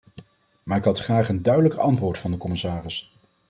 Maar ik had graag een duidelijker antwoord van de commissaris.